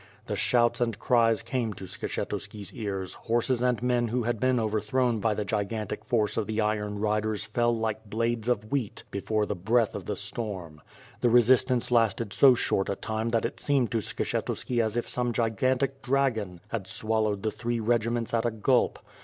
The shouts and cries came to Skshetuski's cars, horses and men who had been overthrown by the gigantic force of the iron riders fell like blades of wheat before the breath of the storm. The resistance lasted so short a time that it seemed to Skshetuski as if some gigantic dragon had swallo wed the three regiments at a gulp.